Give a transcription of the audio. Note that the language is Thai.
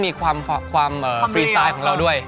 ที่มันก็มีความฟรีไซด์ของเราด้วย